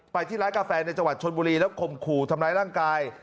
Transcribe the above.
ที่ร้านกาแฟในจังหวัดชนบุรีแล้วข่มขู่ทำร้ายร่างกาย